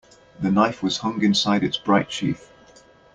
The knife was hung inside its bright sheath.